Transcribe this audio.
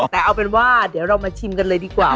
แต่เอาเป็นว่าเดี๋ยวเรามาชิมกันเลยดีกว่า